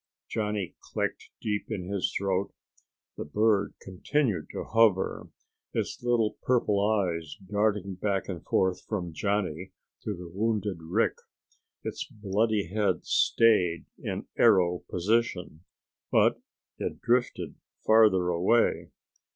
Johnny clicked deep in his throat. The bird continued to hover, its little purple eyes darting back and forth from Johnny to the wounded Rick. Its bloody head stayed in arrow position, but it drifted farther away.